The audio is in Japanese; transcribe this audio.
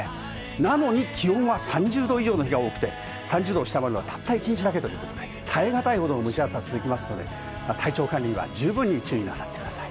なのに気温は３０℃以上の日が多くて３０度下回るのはたった１日だけということで、耐え難いほどの蒸し暑さ続きますので体調管理には十分に注意なさってください。